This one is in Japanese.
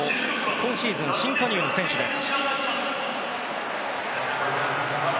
今シーズン新加入の選手です。